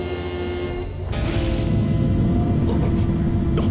あっ。